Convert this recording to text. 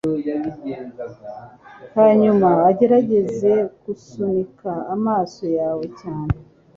hanyuma ugerageze gusunika amaso yawe cyane